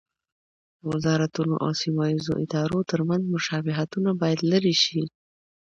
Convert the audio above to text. د وزارتونو او سیمه ییزو ادارو ترمنځ مشابهتونه باید لرې شي.